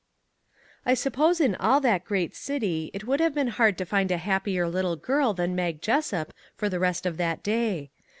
I suppose in all that great city it would have been hard to find a happier little girl than Mag Jessup for the rest of that day.